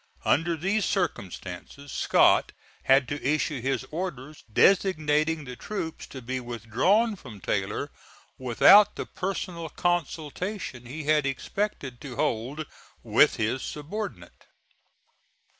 Under these circumstances Scott had to issue his orders designating the troops to be withdrawn from Taylor, without the personal consultation he had expected to hold with his subordinate.